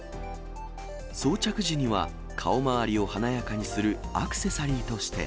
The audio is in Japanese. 装着時には、顔周りを華やかにするアクセサリーとして。